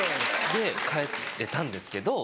で帰れたんですけど。